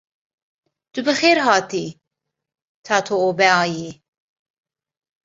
Tu bi xêr hatî Tatoebayê!